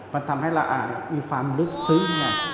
มันทำให้เราอาจมีความลึกซึ้ง